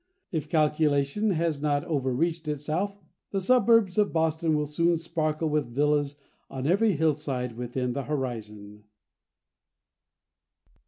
If calculation has not overreached itself, the suburbs of Boston will soon sparkle with villas on every hill side within the horizon.